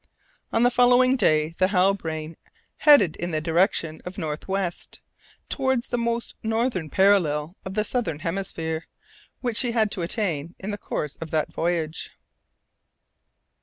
On the following day the Halbrane headed in the direction of the north west, towards the most northern parallel of the southern hemisphere which she had to attain in the course of that voyage.